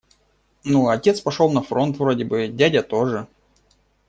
Ну, отец пошёл на фронт вроде бы, дядя тоже.